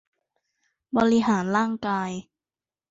บริหารร่างกาย